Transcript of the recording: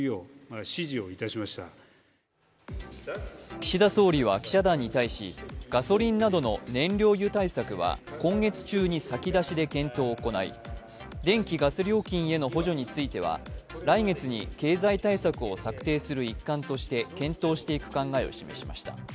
岸田総理は記者団に対しガソリンなどの燃料油対策は今月中に先出しで検討を行い、電気・ガス料金の補助に対しては来月に経済対策を策定する一環として検討していく考えを示しました。